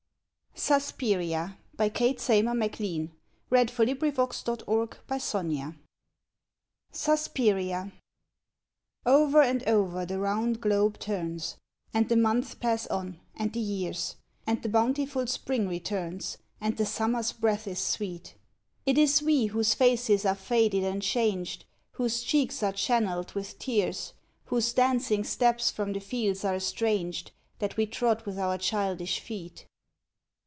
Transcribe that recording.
Sleeping full sound beneath the yew, And the strewn rosemary and rue. SUSPIRIA. VEK and over the round globe turns, and the months pass on, and the years, And the bountiful spring returns, and the sum mer's breath is sweet ;— It is we whose faces are faded and changed, whose cheeks are channel'd with tears, Whose dancing steps from the fields are estranged that we trod with our childish feet.